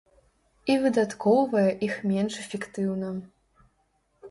І выдаткоўвае іх менш эфектыўна.